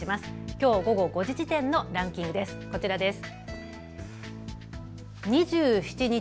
きょう午後５時時点のランキングです。